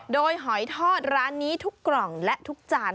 โดยหอยทอดร้านนี้ทุกกล่องและทุกจาน